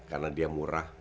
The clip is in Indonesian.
karena dia murah